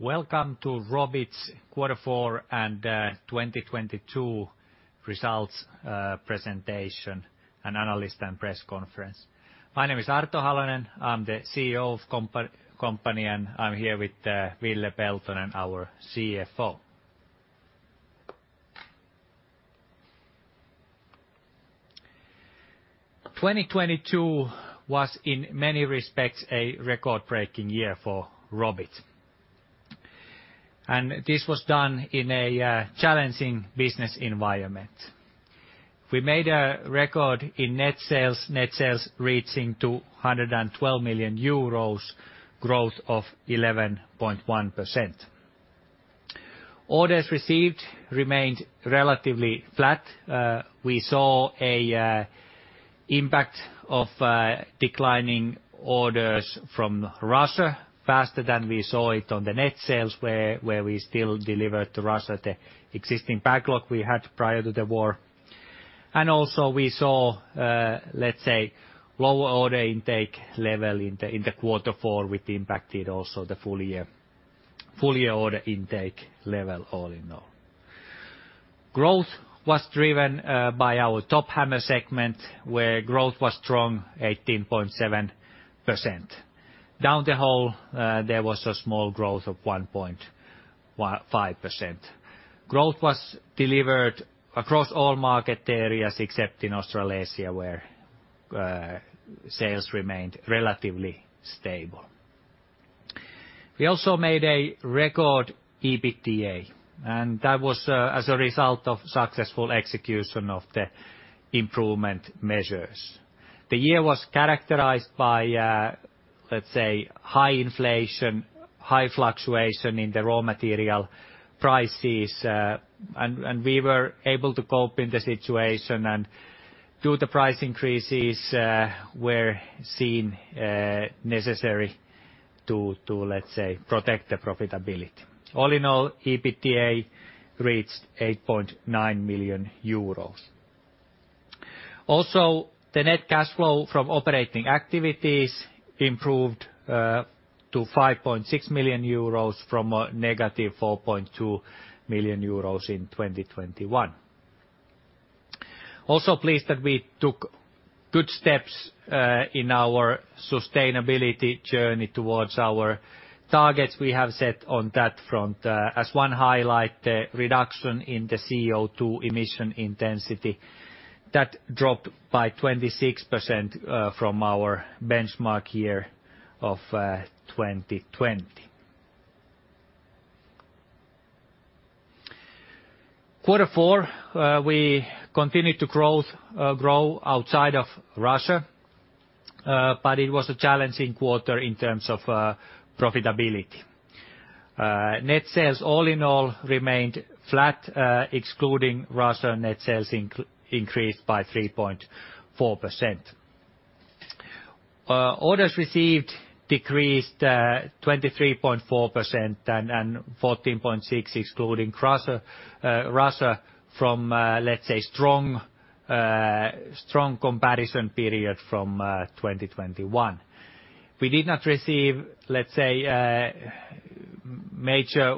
Welcome to Robit's Q4 and 2022 Results Presentation, and Analyst Press Conference. My name is Arto Halonen. I'm the CEO of company, and I'm here with Ville Peltonen, our CFO. 2022 was, in many respects, a record-breaking year for Robit. This was done in a challenging business environment. We made a record in net sales. Net sales reaching 212 million euros, growth of 11.1%. Orders received remained relatively flat. We saw a impact of declining orders from Russia faster than we saw it on the net sales, where we still delivered to Russia the existing backlog we had prior to the war. Also we saw, let's say, lower order intake level in the Q4, which impacted also the full year order intake level all in all. Growth was driven by our Top Hammer segment, where growth was strong, 18.7%. Down the Hole, there was a small growth of 1.15%. Growth was delivered across all market areas, except in Australasia, where sales remained relatively stable. We also made a record EBITDA, and that was as a result of successful execution of the improvement measures. The year was characterized by, let's say, high inflation, high fluctuation in the raw material prices. And we were able to cope in the situation and do the price increases were seen necessary to, let's say, protect the profitability. All in all, EBITDA reached 8.9 million euros. Also, the net cash flow from operating activities improved to 5.6 million euros from negative 4.2 million euros in 2021. Also pleased that we took good steps in our sustainability journey towards our targets we have set on that front. As one highlight, the reduction in the CO2 emission intensity that dropped by 26% from our benchmark year of 2020. Q4, we continued to grow outside of Russia, but it was a challenging quarter in terms of profitability. Net sales all in all remained flat, excluding Russia net sales increased by 3.4%. Orders received decreased 23.4% and 14.6 excluding Russia from, let's say, strong comparison period from 2021. We did not receive, let's say, major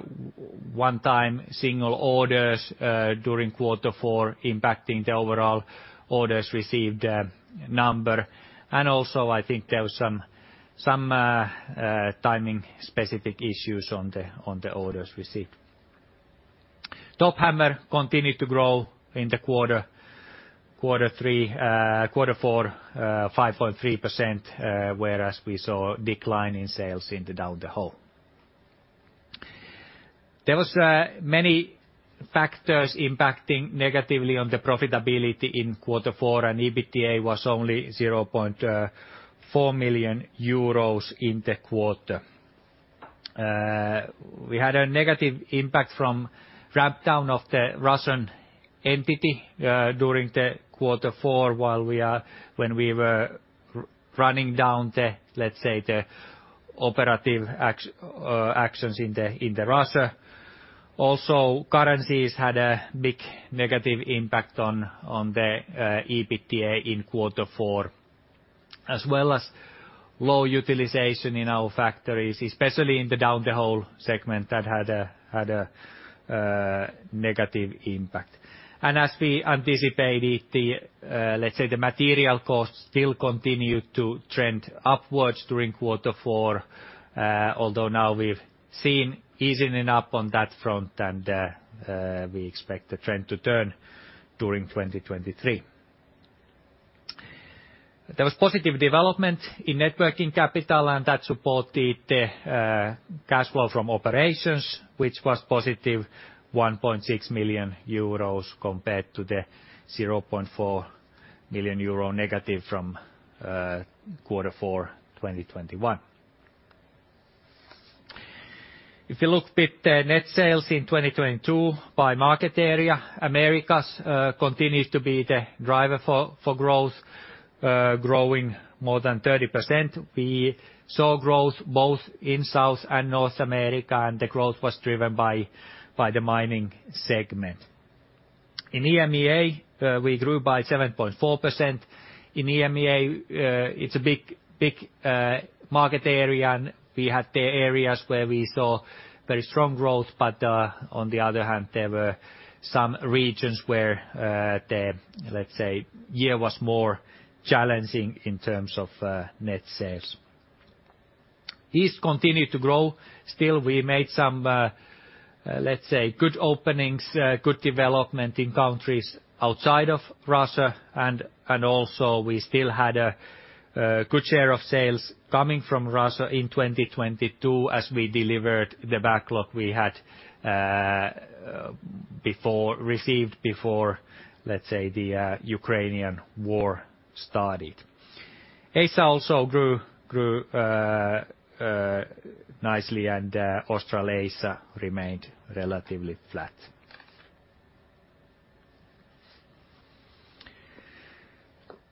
one-time single orders during Q4 impacting the overall orders received number. I think there was some timing specific issues on the orders received. Top Hammer continued to grow in the Q4, 5.3%, whereas we saw a decline in sales in the Down the Hole. There was many factors impacting negatively on the profitability in Q4, and EBITDA was only 0.4 million euros in the quarter. We had a negative impact from wrap down of the Russian entity during the Q4 while we were running down the operative actions in the Russia. Currencies had a big negative impact on the EBITDA in Q4, as well as low utilization in our factories, especially in the Down the Hole segment that had a negative impact. As we anticipated, the material costs still continued to trend upwards during Q4, although now we've seen easing up on that front, and we expect the trend to turn during 2023. There was positive development in net working capital, and that supported the cash flow from operations, which was positive 1.6 million euros compared to the 0.4 million euro negative from Q4, 2021. If you look with the net sales in 2022 by market area, Americas continues to be the driver for growth, growing more than 30%. We saw growth both in South and North America, and the growth was driven by the mining segment. In EMEA, we grew by 7.4%. In EMEA, it's a big market area, and we had the areas where we saw very strong growth. On the other hand, there were some regions where the, let's say, year was more challenging in terms of net sales. East continued to grow. Still we made some, let's say, good openings, good development in countries outside of Russia, and also we still had a good share of sales coming from Russia in 2022 as we delivered the backlog we had received before, let's say, the Ukrainian war started. Asia also grew nicely, and Australasia remained relatively flat.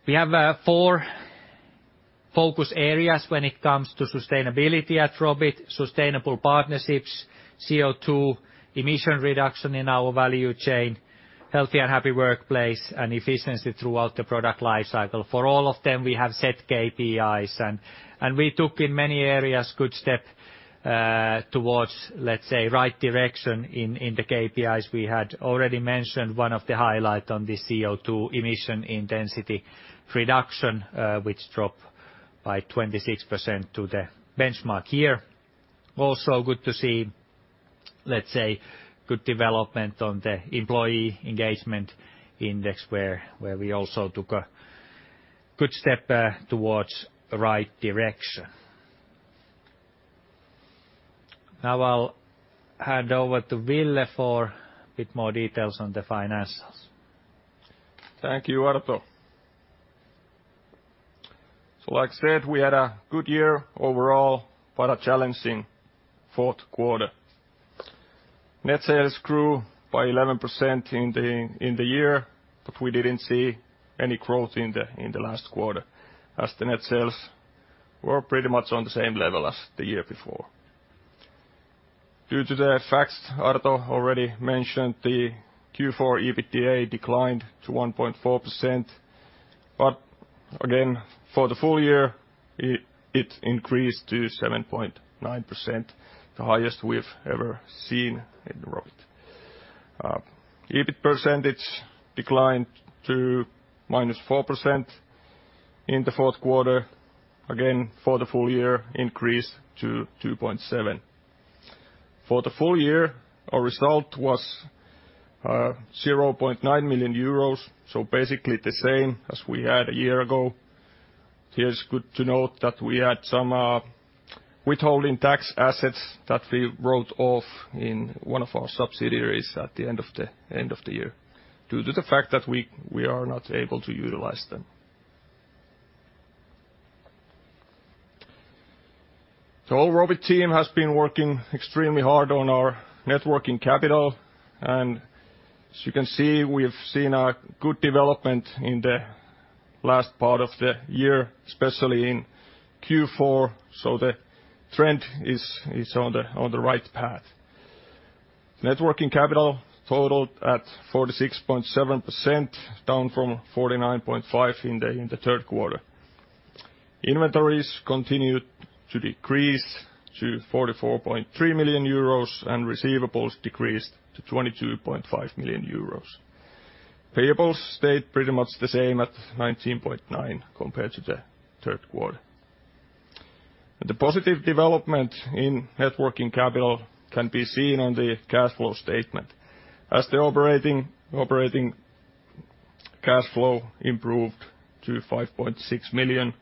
We have four focus areas when it comes to sustainability at Robit: sustainable partnerships, CO2 emission reduction in our value chain, healthy and happy workplace, and efficiency throughout the product lifecycle. For all of them, we have set KPIs and we took in many areas good step towards right direction in the KPIs. We had already mentioned one of the highlight on the CO2 emission intensity reduction, which dropped by 26% to the benchmark year. good to see, let's say, good development on the employee engagement index where we also took a good step towards the right direction. I'll hand over to Ville for a bit more details on the financials. Thank you, Arto. Like said, we had a good year overall, but a challenging Q4. Net sales grew by 11% in the year, we didn't see any growth in the last quarter as the net sales were pretty much on the same level as the year before. Due to the facts Arto already mentioned, the Q4 EBITDA declined to 1.4%. Again, for the full year, it increased to 7.9%, the highest we've ever seen in Robit. EBIT percentage declined to minus 4% in the Q4. Again, for the full year, increased to 2.7%. For the full year, our result was 0.9 million euros, basically the same as we had a year ago. Here it's good to note that we had some withholding tax assets that we wrote off in one of our subsidiaries at the end of the year due to the fact that we are not able to utilize them. The whole Robit team has been working extremely hard on our net working capital. As you can see, we've seen a good development in the last part of the year, especially in Q4, so the trend is on the right path. Net working capital totaled at 46.7%, down from 49.5% in Q3. Inventories continued to decrease to 44.3 million euros, and receivables decreased to 22.5 million euros. Payables stayed pretty much the same at 19.9 million compared to Q3. The positive development in net working capital can be seen on the cash flow statement as the operating cash flow improved to 5.6 million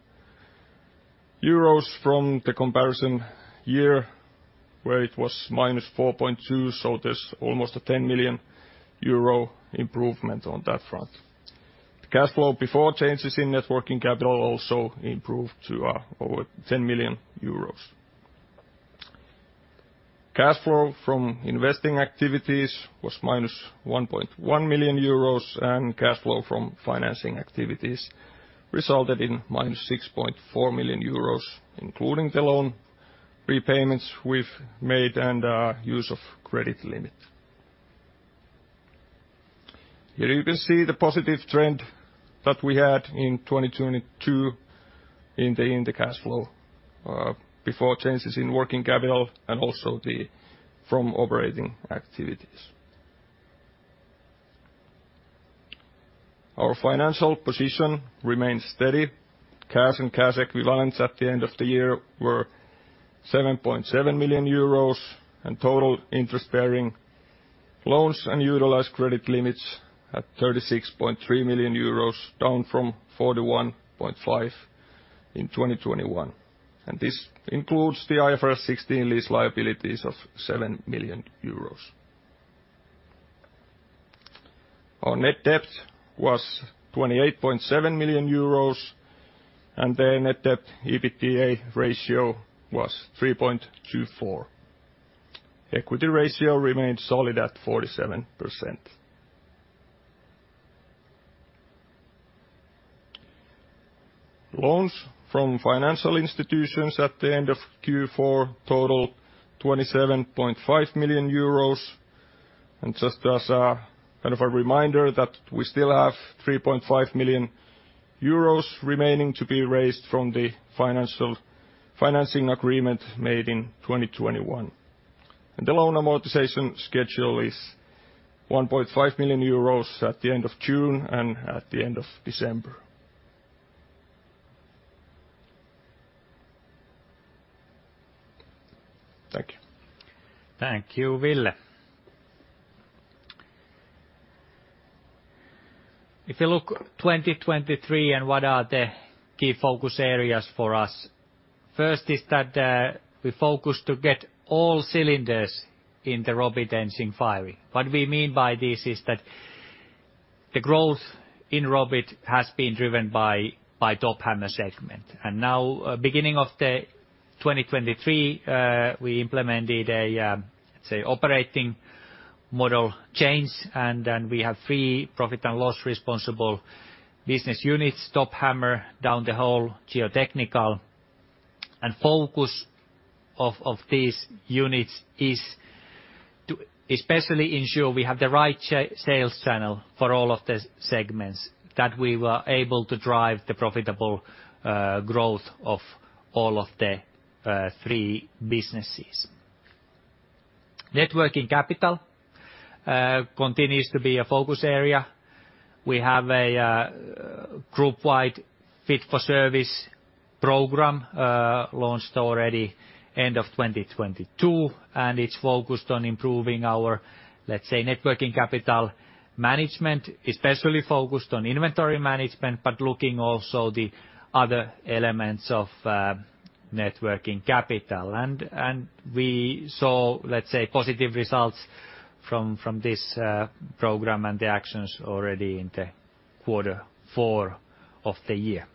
euros from the comparison year, where it was minus 4.2 million, there's almost a 10 million euro improvement on that front. The cash flow before changes in net working capital also improved to over 10 million euros. Cash flow from investing activities was minus 1.1 million euros, cash flow from financing activities resulted in minus 6.4 million euros, including the loan prepayments we've made and use of credit limit. Here you can see the positive trend that we had in 2022 in the cash flow before changes in working capital and also the from operating activities. Our financial position remained steady. Cash and cash equivalents at the end of the year were 7.7 million euros, total interest-bearing loans and utilized credit limits at 36.3 million euros, down from 41.5 million in 2021. This includes the IFRS 16 lease liabilities of 7 million euros. Our net debt was 28.7 million euros, and the net debt EBITDA ratio was 3.24. Equity ratio remained solid at 47%. Loans from financial institutions at the end of Q4 total 27.5 million euros. Just as a kind of a reminder that we still have 3.5 million euros remaining to be raised from the financing agreement made in 2021. The loan amortization schedule is 1.5 million euros at the end of June and at the end of December. Thank you. Thank you, Ville. If you look 2023 and what are the key focus areas for us. First is that we focus to get all cylinders in the Robit engine firing. What we mean by this is that the growth in Robit has been driven by Top Hammer segment. Now, beginning of 2023, we implemented a, say, operating model change, and then we have three profit and loss responsible business units, Top Hammer, Down the Hole, Geotechnical. Focus of these units is to especially ensure we have the right sales channel for all of the segments that we were able to drive the profitable growth of all of the three businesses. net working capital continues to be a focus area. We have a group-wide fit for service program launched already end of 2022, and it's focused on improving our, let's say, net working capital management, especially focused on inventory management, but looking also the other elements of net working capital. We saw, let's say, positive results from this program and the actions already in Q4 of the year.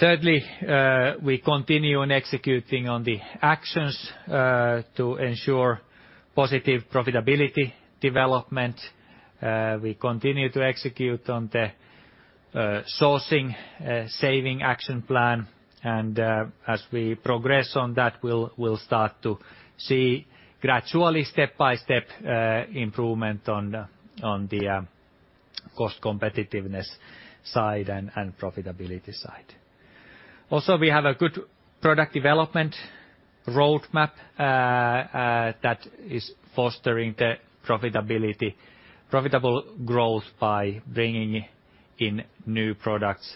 Thirdly, we continue on executing on the actions to ensure positive profitability development. We continue to execute on the sourcing saving action plan, as we progress on that, we'll start to see gradually, step by step, improvement on the cost competitiveness side and profitability side. Also, we have a good product development roadmap that is fostering profitable growth by bringing in new products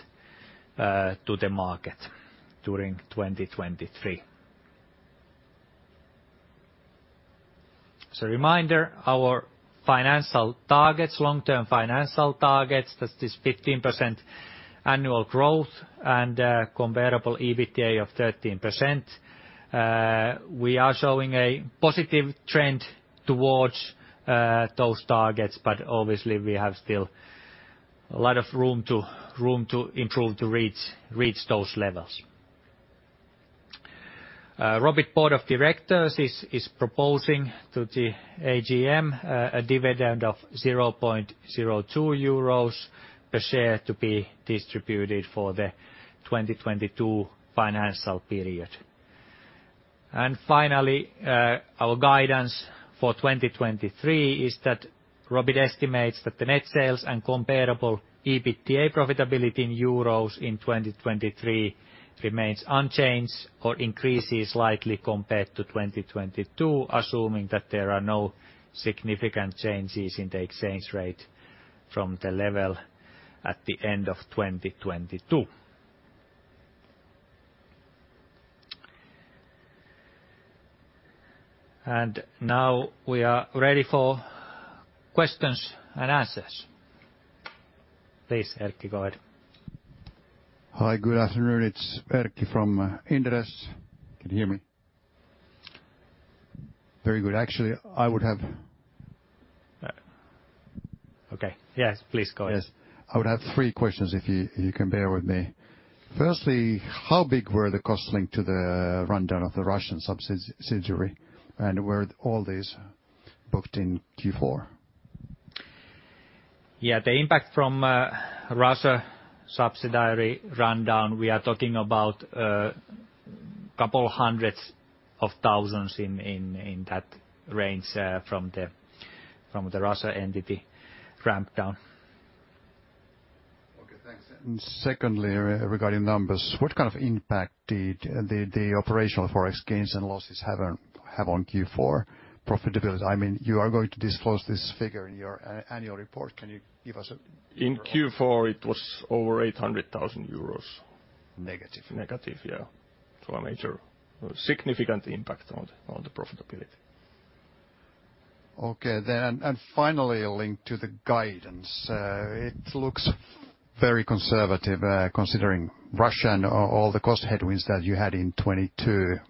to the market during 2023. As a reminder, our financial targets, long-term financial targets, that is 15% annual growth and comparable EBITDA of 13%. We are showing a positive trend towards those targets, but obviously we have still a lot of room to improve to reach those levels. Robit Board of Directors is proposing to the AGM a dividend of 0.02 euros per share to be distributed for the 2022 financial period. Finally, our guidance for 2023 is that Robit estimates that the net sales and comparable EBITDA profitability in euros in 2023 remains unchanged or increases slightly compared to 2022, assuming that there are no significant changes in the exchange rate from the level at the end of 2022. Now we are ready for questions and answers. Please, Erkki, go ahead. Hi, good afternoon. It's Erkki from Inderes. Can you hear me? Very good. Actually, I would have... Okay. Yes, please go ahead. Yes. I would have three questions if you can bear with me. Firstly, how big were the costs linked to the rundown of the Russian subsidiary, and were all these booked in Q4? Yeah. The impact from Russia subsidiary rundown, we are talking about couple hundreds of thousands in that range, from the Russia entity ramp down. Okay, thanks. Secondly, regarding numbers, what kind of impact did the operational Forex gains and losses have on Q4 profitability? I mean, you are going to disclose this figure in your annual report. Can you give us. In Q4, it was over 800 thousand euros. Negative. Negative, yeah. A major significant impact on the profitability. Okay then. Finally, a link to the guidance. It looks very conservative, considering Russia and all the cost headwinds that you had in 2022.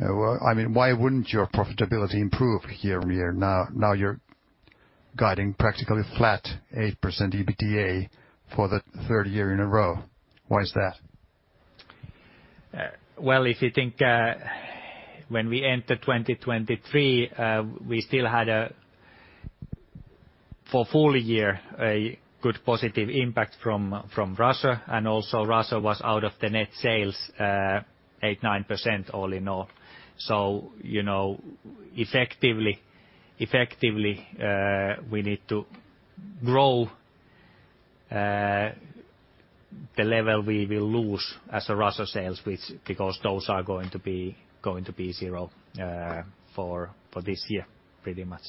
Well, I mean, why wouldn't your profitability improve year-over-year? Now, you're guiding practically flat 8% EBITDA for the third year in a row. Why is that? Well, if you think, when we enter 2023, we still had for full year, a good positive impact from Russia. Also Russia was out of the net sales, 8%-9% all in all. You know, effectively, we need to grow the level we will lose as a Russia sales, which because those are going to be zero for this year, pretty much.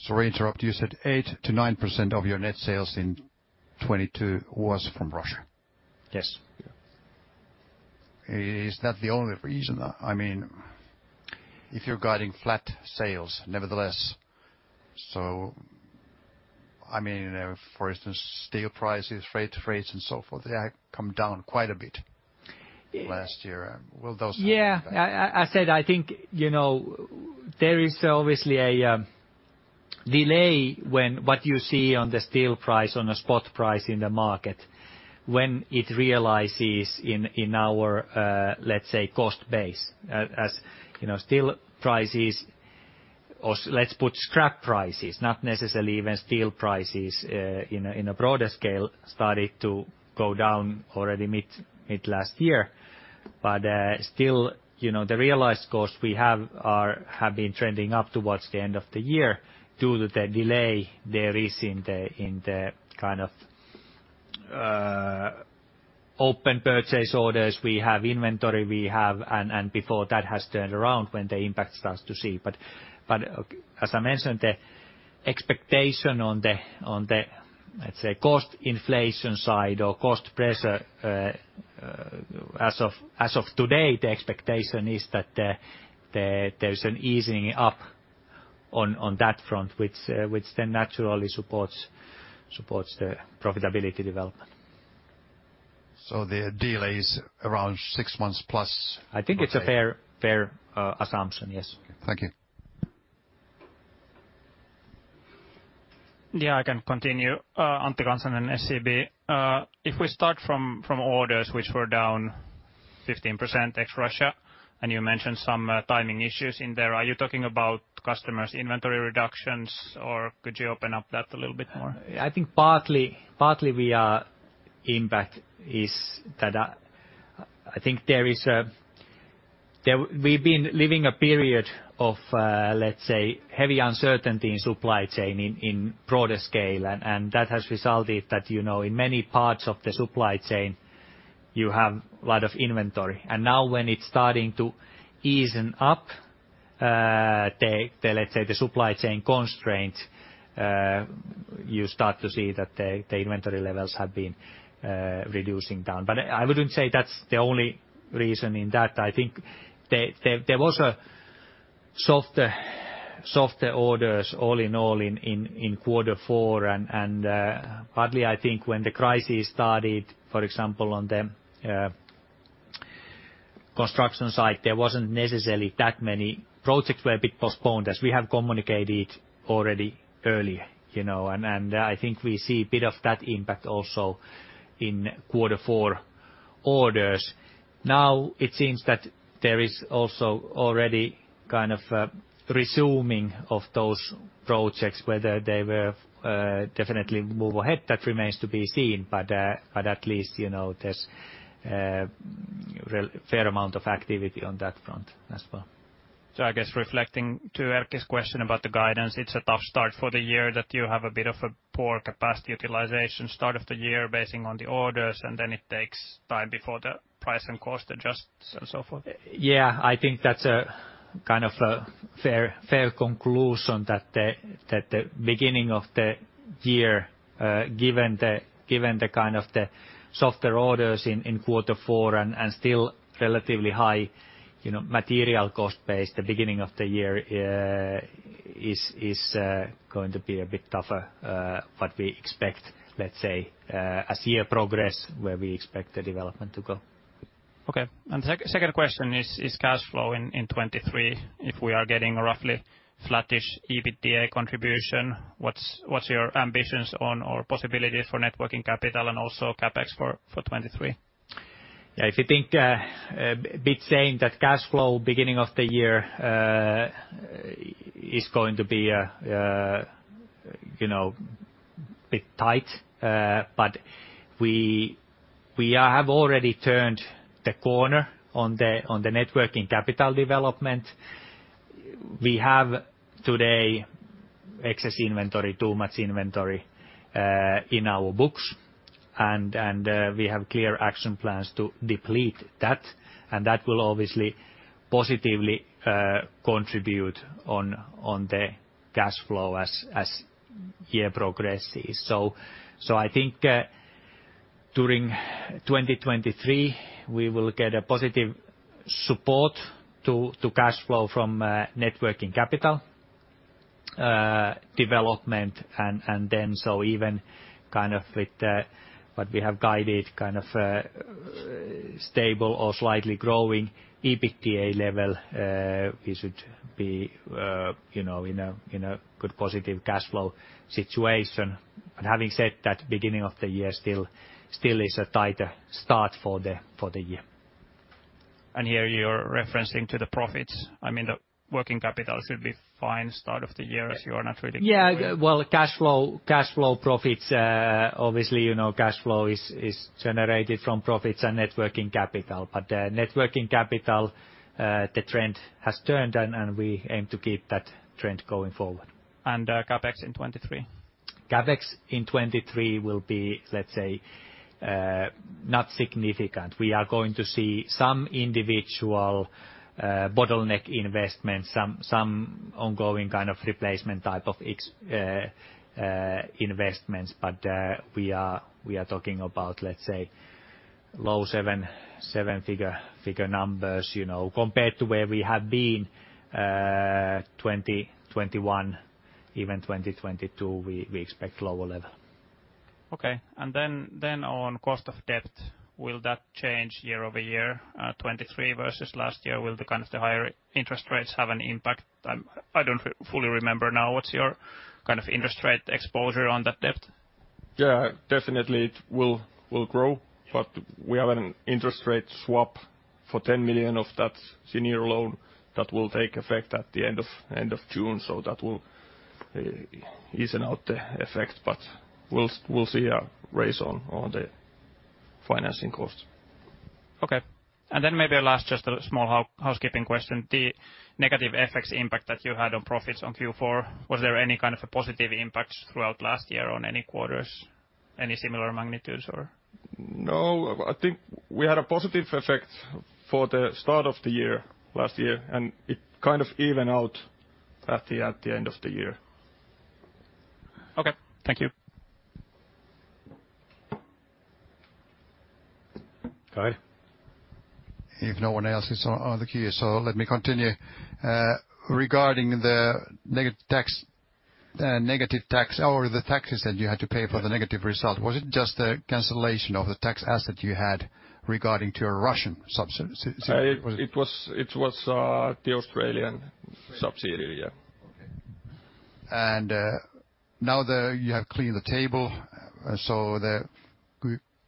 Sorry to interrupt. You said 8%-9% of your net sales in 2022 was from Russia? Yes. Is that the only reason? I mean, if you're guiding flat sales nevertheless, I mean, for instance, steel prices, freights, and so forth, they have come down quite a bit. Yeah. last year. Will those have impact? Yeah. I said, I think, you know, there is obviously a delay when what you see on the steel price, on the spot price in the market, when it realizes in our, let's say, cost base. As, you know, steel prices or let's put scrap prices, not necessarily even steel prices, in a broader scale, started to go down already mid-mid last year. Still, you know, the realized costs we have have been trending up towards the end of the year due to the delay there is in the kind of open-purchase orders we have, inventory we have, and before that has turned around when the impact starts to see. As I mentioned, the expectation on the, let's say, cost inflation side or cost pressure, as of today, the expectation is that there's an easing up on that front, which then naturally supports the profitability development. The delay is around six months plus? I think it's a fair assumption, yes. Thank you. Yeah, I can continue. Harri Rantanen, SEB. If we start from orders which were down 15% ex Russia, and you mentioned some timing issues in there. Are you talking about customers' inventory reductions, or could you open up that a little bit more? I think partly we are impact is that, I think there is a. We've been living a period of, let's say, heavy uncertainty in supply chain in broader scale. That has resulted that, you know, in many parts of the supply chain, you have a lot of inventory. Now when it's starting to ease up, the, let's say, the supply chain constraint, you start to see that the inventory levels have been reducing down. I wouldn't say that's the only reason in that. I think there was a softer orders all in all in Q4. Partly, I think when the crisis started, for example, on the construction site, there wasn't necessarily that many projects were a bit postponed as we have communicated already earlier, you know. I think we see a bit of that impact also in Q4 orders. Now it seems that there is also already kind of a resuming of those projects, whether they were definitely move ahead, that remains to be seen. At least, you know, there's a fair amount of activity on that front as well. I guess reflecting to Erkki's question about the guidance, it's a tough start for the year that you have a bit of a poor capacity utilization start of the year basing on the orders, and then it takes time before the price and cost adjusts and so forth. I think that's a kind of a fair conclusion that the beginning of the year, given the kind of the softer orders in Q4 and still relatively high, you know, material cost base, the beginning of the year is going to be a bit tougher, what we expect, let's say, as year progress, where we expect the development to go. Okay. Second question is cash flow in 2023. If we are getting roughly flattish EBITDA contribution, what's your ambitions on or possibilities for net working capital and also CapEx for 2023? If you think a bit saying that cash flow beginning of the year is going to be, you know, bit tight. We have already turned the corner on the net working capital development. We have today excess inventory, too much inventory, in our books, and we have clear action plans to deplete that. That will obviously positively contribute on the cash flow as year progresses. I think during 2023, we will get a positive support to cash flow from net working capital development. Even kind of with what we have guided, stable or slightly growing EBITDA level, we should be, you know, in a good positive cash flow situation. Having said that, beginning of the year still is a tighter start for the year. Here you're referencing to the profits. I mean, the working capital should be fine start of the year as you are not really- Yeah. Well, cash flow, cash flow profits, obviously, you know, cash flow is generated from profits and net working capital. Net working capital, the trend has turned and we aim to keep that trend going forward. CapEx in 2023? CapEx in 2023 will be, let's say, not significant. We are going to see some individual bottleneck investments, some ongoing kind of replacement type of investments. We are talking about, let's say, low 7 figure numbers, you know, compared to where we have been, 2021 even 2022, we expect lower level. Okay. Then on cost of debt, will that change year-over-year, 2023 versus last year? Will the kind of the higher interest rates have an impact? I don't fully remember now, what's your kind of interest rate exposure on that debt? Definitely it will grow, but we have an interest rate swap for 10 million of that senior loan that will take effect at the end of June. That will even out the effect, but we'll see a raise on the financing cost. Okay. Then maybe last, just a small housekeeping question. The negative FX impact that you had on profits on Q4, was there any kind of a positive impact throughout last year on any quarters, any similar magnitudes or? No. I think we had a positive effect for the start of the year, last year, and it kind of even out at the, at the end of the year. Okay. Thank you. If no one else is on the queue, so let me continue. Regarding the negative tax or the taxes that you had to pay for the negative result, was it just the cancellation of the tax asset you had regarding to your Russian subsidiary? It was the Australian subsidiary, yeah. Okay. Now that you have cleaned the table,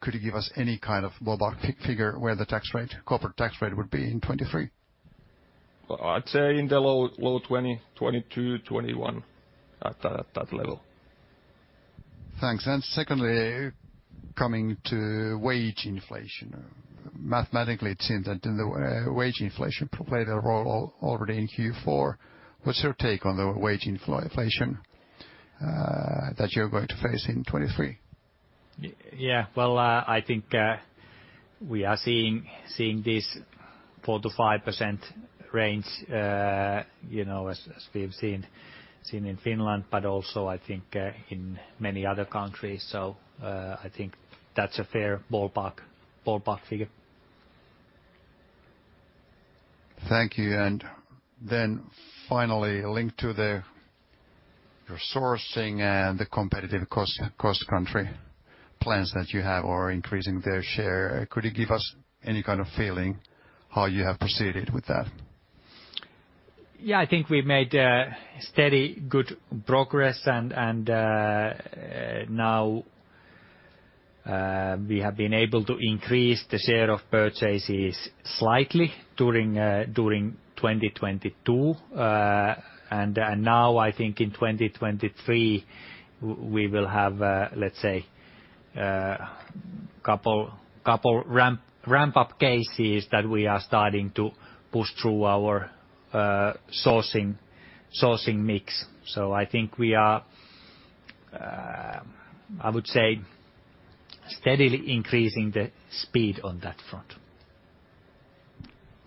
Could you give us any kind of ballpark figure where the tax rate, corporate tax rate would be in 2023? I'd say in the low, low 2022, 2021, at that level. Thanks. Secondly, coming to wage inflation. Mathematically, it seems that in the wage inflation played a role already in Q4. What's your take on the wage inflation that you're going to face in 2023? Yeah. Well, I think we are seeing this 4% to 5% range, you know, as we've seen in Finland, but also I think in many other countries. I think that's a fair ballpark figure. Thank you. Finally, linked to your sourcing and the competitive cost country plans that you have are increasing their share. Could you give us any kind of feeling how you have proceeded with that? Yeah. I think we made a steady, good progress and now we have been able to increase the share of purchases slightly during 2022. Now I think in 2023, we will have, let's say, couple ramp-up cases that we are starting to push through our sourcing mix. I think we are I would say steadily increasing the speed on that front.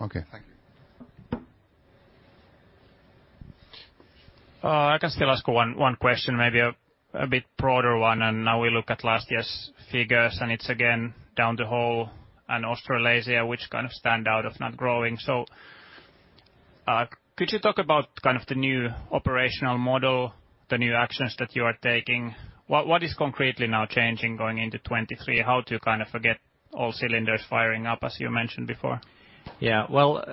Okay. Thank you. I can still ask one question, maybe a bit broader one. Now we look at last year's figures and it's again Down the Hole and Australasia, which kind of stand out of not growing. Could you talk about kind of the new operational model, the new actions that you are taking? What is concretely now changing going into 2023? How to kind of get all cylinders firing up, as you mentioned before? Yeah. Well,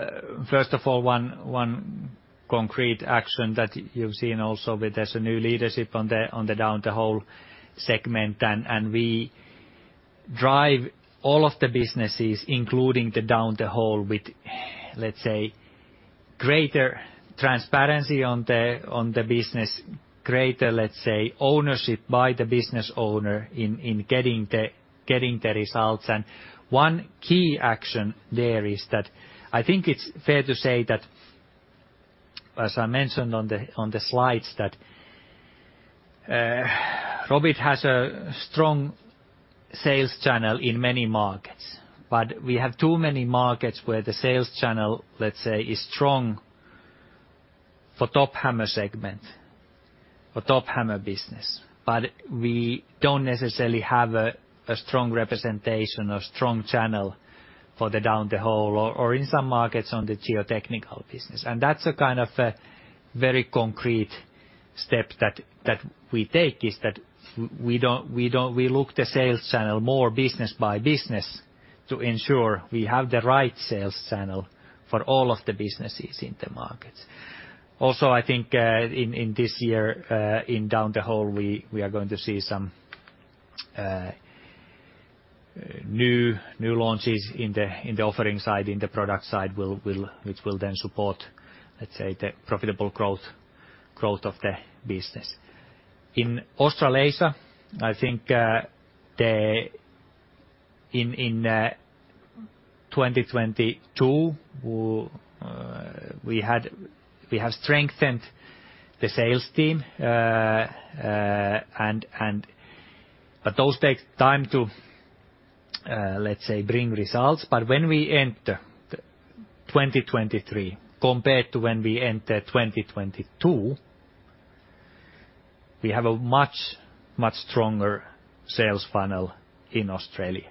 first of all, one concrete action that you've seen also with there's a new leadership on the Down the Hole segment. We drive all of the businesses, including the Down the Hole with, let's say, greater transparency on the business, greater, let's say, ownership by the business owner in getting the results. One key action there is that I think it's fair to say that, as I mentioned on the slides that Robit has a strong sales channel in many markets. We have too many markets where the sales channel, let's say, is strong for Top Hammer segment or Top Hammer business. We don't necessarily have a strong representation or strong channel for the Down the Hole or in some markets on the Geotechnical business. That's a kind of a very concrete step that we take, is that We look the sales channel more business by business to ensure we have the right sales channel for all of the businesses in the markets. I think, in this year, in Down the Hole, we are going to see some new launches in the offering side, in the product side which will then support, let's say, the profitable growth of the business. In Australasia, I think, in 2022, we have strengthened the sales team. Those take time to, let's say, bring results. When we enter 2023 compared to when we entered 2022, we have a much stronger sales funnel in Australia.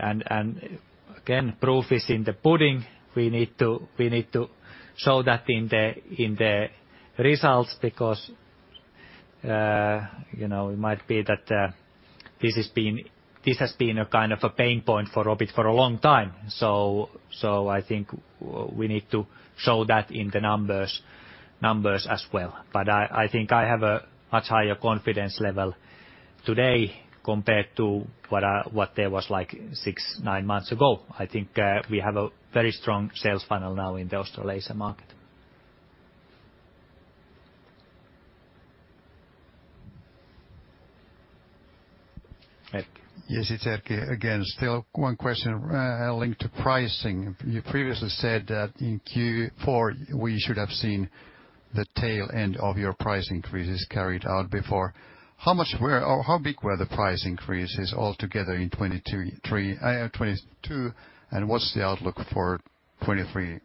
Again, proof is in the pudding. We need to show that in the results because, you know, it might be that this has been a kind of a pain point for Robit for a long time. I think we need to show that in the numbers as well. I think I have a much higher confidence level today compared to what there was like six, nine months ago. I think we have a very strong sales funnel now in the Australasia market. Erkki? Yes, it's Erkki again. Still one question, linked to pricing. You previously said that in Q4 we should have seen the tail end of your price increases carried out before. How big were the price increases altogether in 2022, and what's the outlook for 2023?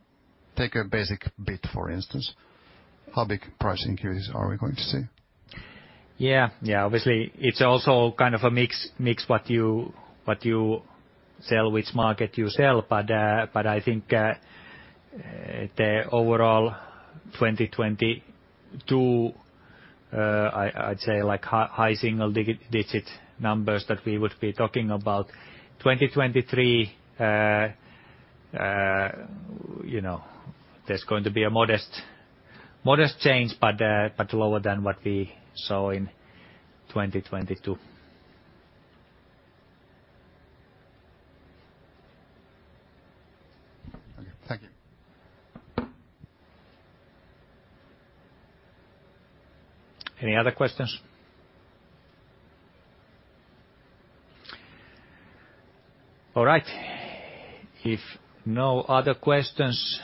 Take a basic bit, for instance. How big price increases are we going to see? Yeah. Yeah, obviously it's also kind of a mix what you, what you sell, which market you sell. I think the overall 2022, I'd say like high single-digit numbers that we would be talking about. 2023, you know, there's going to be a modest change, but lower than what we saw in 2022. Okay, thank you. Any other questions? All right. If no other questions,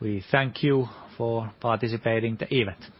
we thank you for participating the event.